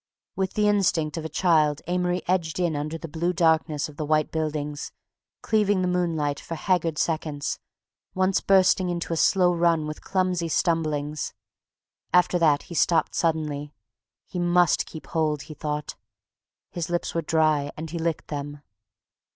With the instinct of a child Amory edged in under the blue darkness of the white buildings, cleaving the moonlight for haggard seconds, once bursting into a slow run with clumsy stumblings. After that he stopped suddenly; he must keep hold, he thought. His lips were dry and he licked them.